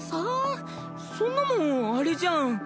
そんなんもうあれじゃん。